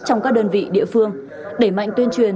trong các đơn vị địa phương đẩy mạnh tuyên truyền